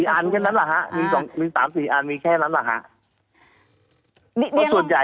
อันแค่นั้นแหละฮะมี๓๔อันมีแค่นั้นแหละฮะ